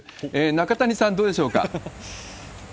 中谷さん、どうでしょうか。